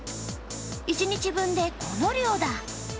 一日分で、この量だ。